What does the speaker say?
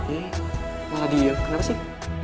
eh malah diem kenapa sih